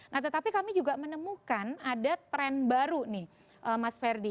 nah tetapi kami juga menemukan ada tren baru nih mas ferdi